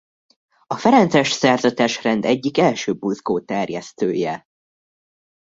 A ferences szerzetesrend egyik első buzgó terjesztője.